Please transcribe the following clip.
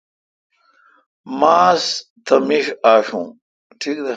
ماستہ میݭ آݭوں۔